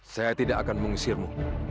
saya tidak akan mengusirmu